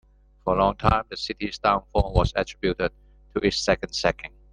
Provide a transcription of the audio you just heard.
For a long time, the city's downfall was attributed to its second sacking.